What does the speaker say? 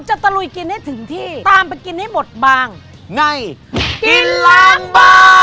ชุกระดิกด้วยเลยครับ